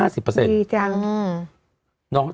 ดีจัง